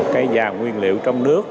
cái vàng nguyên liệu trong nước